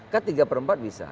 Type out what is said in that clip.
kan tiga per empat bisa